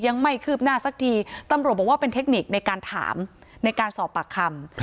ยังไม่คืบหน้าสักทีตำรวจบอกว่าเป็นเทคนิคในการถามในการสอบปากคำ